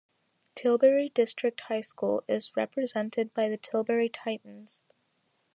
Tilbury District High School is represented by the Tilbury Titans.